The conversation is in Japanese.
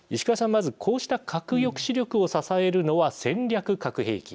まずこうした核抑止力を支えるのは戦略核兵器。